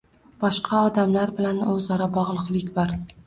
Boshqa odamlar bilan o‘zaro bog’liqlik bor.